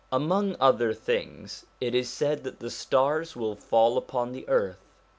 Among other things it is said that the sta rs will fall upon the earth.